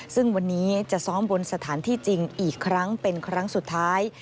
ซึ่งวันนี้จะซ้อมบนสถานที่จริงอีกครั้งเป็นครั้งสุดท้าย